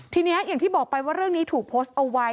ทีนี้อย่างที่บอกไปว่าเรื่องนี้ถูกโพสต์เอาไว้